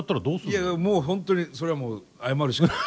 いやいやもう本当にそれはもう謝るしかない。